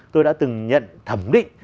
tôi đã từng nhận thẩm định